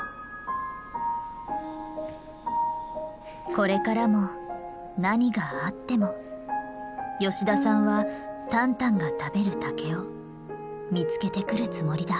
これからも何があっても吉田さんはタンタンが食べる竹を見つけてくるつもりだ。